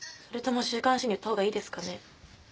それとも週刊誌に売った方がいいですかね？